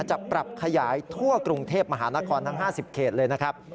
จะปรับขยายทั่วกรุงเทพมหานครทั้ง๕๐เขตเลยนะครับ